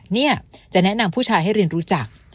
เนี่ยจะแนะนำผู้ชายให้เรียนรู้จัก